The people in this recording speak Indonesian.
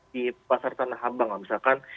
di pasar tanah abang misalkan